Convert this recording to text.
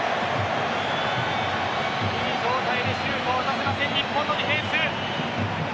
いい状態でシュートを打たせません日本のディフェンス。